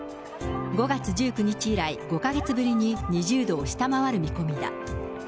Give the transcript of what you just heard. ５月１９日以来、５か月ぶりに２０度を下回る見込みだ。